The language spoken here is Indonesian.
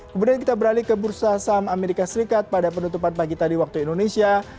kemudian kita beralih ke bursa saham amerika serikat pada penutupan pagi tadi waktu indonesia